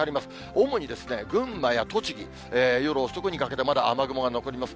主に群馬や栃木、夜遅くにかけてまだ雨雲が残ります。